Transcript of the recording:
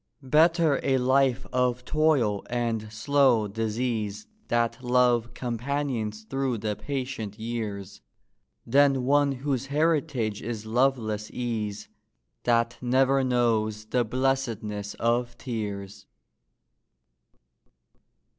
Better a life of toil and slow disease That Love companions through the patient years, Than one whose heritage is loveless ease, That never knows the blessedness of tears.